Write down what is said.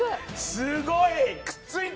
すごい！